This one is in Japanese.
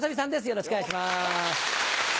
よろしくお願いします。